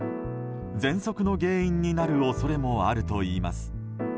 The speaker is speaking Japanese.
ぜんそくの原因になる恐れもあるといいます。